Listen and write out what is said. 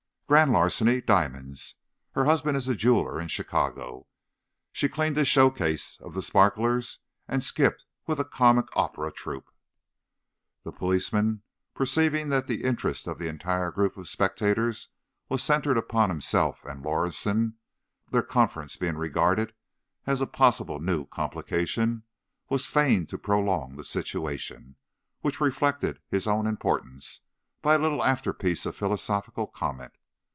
"Grand larceny. Diamonds. Her husband is a jeweller in Chicago. She cleaned his show case of the sparklers, and skipped with a comic opera troupe." The policeman, perceiving that the interest of the entire group of spectators was centred upon himself and Lorison—their conference being regarded as a possible new complication—was fain to prolong the situation—which reflected his own importance—by a little afterpiece of philosophical comment.